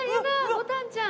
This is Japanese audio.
ぼたんちゃん。